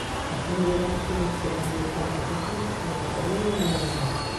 As comunidades que notifican máis contaxios hoxe son Cataluña e Navarra.